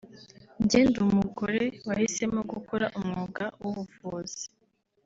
Jye ndi Umugore wahisemo gukora umwuga w’ubuvuzi